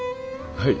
はい。